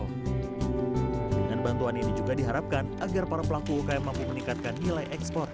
dengan bantuan ini juga diharapkan agar para pelaku ukm mampu meningkatkan nilai ekspor